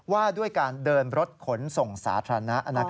ว่าด้วยการเดินรถขนส่งสาธารณะ